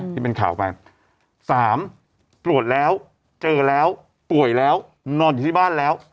ที่เป็นข่าวไป๓ตรวจแล้วเจอแล้วป่วยแล้วนอนอยู่ที่บ้านแล้ว